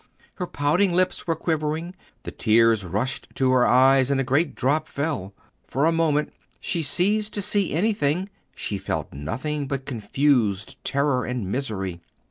Her pouting lips were quivering, the tears rushed to her eyes, and a great drop fell. For a moment she ceased to see anything; she felt nothing but confused terror and misery.